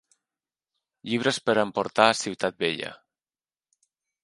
Llibres per emportar a Ciutat Vella.